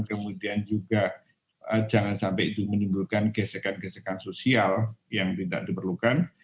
kemudian juga jangan sampai itu menimbulkan gesekan gesekan sosial yang tidak diperlukan